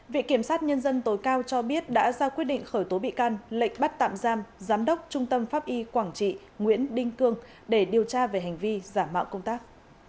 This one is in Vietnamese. viện kiểm sát nhân dân tối cao cho biết đã ra quyết định khởi tố bị can lệnh bắt tạm giam giám đốc trung tâm pháp y quảng trị nguyễn đinh cương để điều tra về hành vi giả mạo công tác